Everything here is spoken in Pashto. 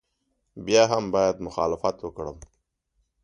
بیا هم باید مخالفت وکړم.